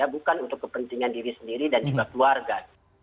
bukan untuk kepentingan diri sendiri dan juga keluarga